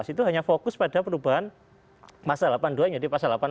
itu hanya fokus pada perubahan pasal delapan puluh dua menjadi pasal delapan puluh empat